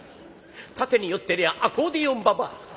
縦に寄ってりゃアコーディオンばばあ。